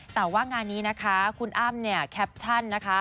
แต่ว่างานนี้นะคะคุณอ้ำเนี่ยแคปชั่นนะคะ